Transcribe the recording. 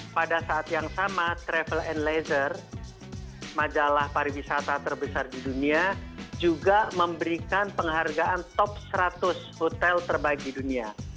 pada saat yang sama travel and lazer majalah pariwisata terbesar di dunia juga memberikan penghargaan top seratus hotel terbaik di dunia